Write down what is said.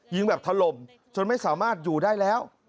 ยิงแบบถล่มจนไม่สามารถอยู่ได้แล้ว